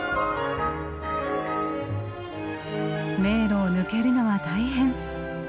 迷路を抜けるのは大変。